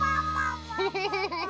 フフフフフ。